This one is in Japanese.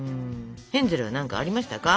ヘンゼルは何かありましたか？